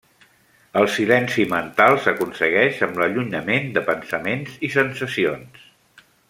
El silenci mental s'aconsegueix amb l'allunyament de pensaments i sensacions.